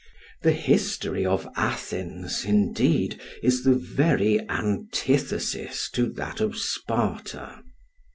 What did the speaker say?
The history of Athens, indeed, is the very antithesis to that of Sparta.